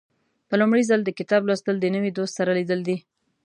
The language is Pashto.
په لومړي ځل د کتاب لوستل د نوي دوست سره لیدل دي.